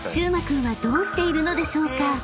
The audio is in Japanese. うま君はどうしているのでしょうか？］